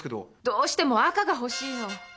どうしても赤が欲しいの。